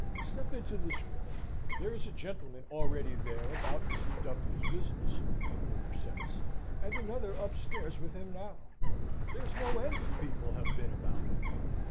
Step into this room. There's a gentleman already there about Mr. W.'s business (the porter says), and another upstairs with him now. There's no end of people have been about him.